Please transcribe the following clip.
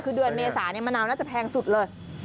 คือเดือนเมษามะนาวน่าจะแพงสุดเลย